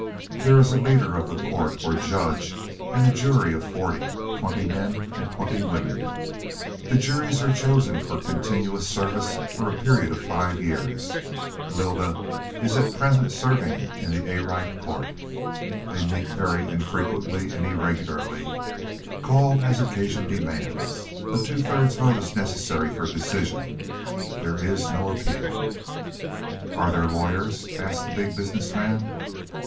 There is a leader of the court, or judge, and a jury of forty twenty men and twenty women. The juries are chosen for continuous service for a period of five years. Lylda is at present serving in the Arite court. They meet very infrequently and irregularly, called as occasion demands. A two thirds vote is necessary for a decision; there is no appeal." "Are there any lawyers?" asked the Big Business Man.